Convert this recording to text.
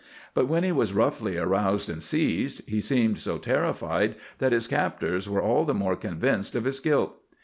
But when he was roughly aroused and seized, he seemed so terrified that his captors were all the more convinced of his guilt.